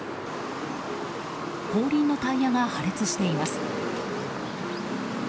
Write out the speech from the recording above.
後輪のタイヤが破裂しています。